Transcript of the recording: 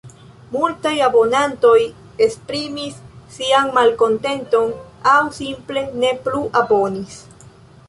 Multaj abonantoj esprimis sian malkontenton – aŭ simple ne plu abonis.